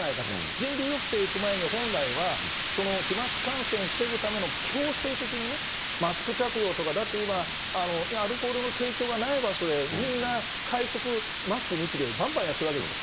人流抑制にいく前に本来は、その飛まつ感染を防ぐための強制的にマスク着用とか、だって今、アルコールの提供がない場所でみんな、会食、マスク抜きでばんばんやってるわけですよ。